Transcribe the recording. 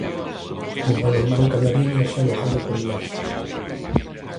O Balonmán Camariñas xa non gana por inercia.